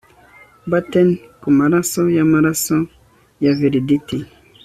Batten kumaraso yamaraso ya veldt